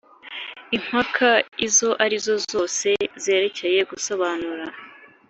Impaka izo ari zo zose zerekeye gusobanura